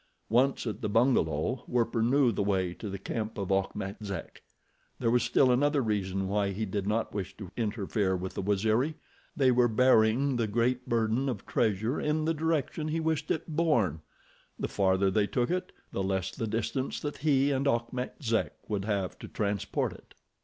Once at the bungalow, Werper knew the way to the camp of Achmet Zek. There was still another reason why he did not wish to interfere with the Waziri—they were bearing the great burden of treasure in the direction he wished it borne. The farther they took it, the less the distance that he and Achmet Zek would have to transport it.